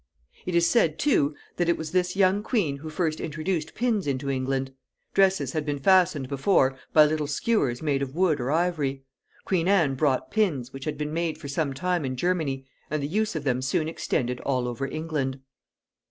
It is said, too, that it was this young queen who first introduced pins into England. Dresses had been fastened before by little skewers made of wood or ivory. Queen Anne brought pins, which had been made for some time in Germany, and the use of them soon extended all over England.